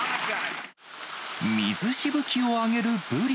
水しぶきを上げるブリ。